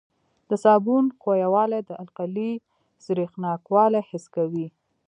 د صابون ښویوالی د القلي سریښناکوالی حس کوي.